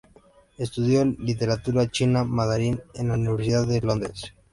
Estudió literatura china mandarín en la Universidad de Londres.